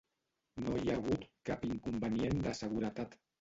No hi ha hagut cap inconvenient de seguretat.